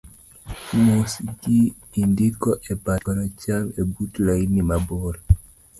mosgi indiko e bat koracham ebut lain mabor